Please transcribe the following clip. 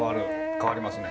変わりますね。